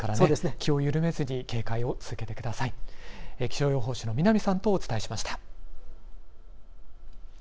気象予報士の南さんとお伝えしました。